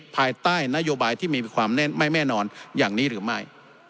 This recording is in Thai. ภายใต้นโยบายที่มีความไม่แน่นอนอย่างนี้หรือไม่